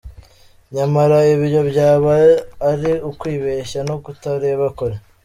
Nyamara ibyo byaba ai ukwibeshya no kutareba kure.